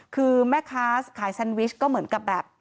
คือแม่ค้าขายแซนวิชก็เหมือนกับแบบ